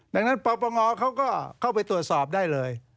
ดังนั้นปปงเขาก็เข้าไปตรวจสอบได้เลย